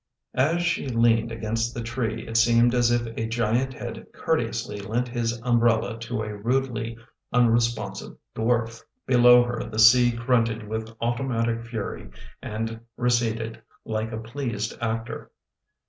As she leaned against the tree it seemed as if a giant had courte ously lent his umbrella to a rudely unresponsive dwarf. Below her the sea grunted with automatic fury and re ceded, like a pleased actor.